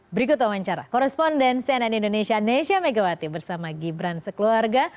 berikut wawancara koresponden cnn indonesia nesya megawati bersama gibran sekeluarga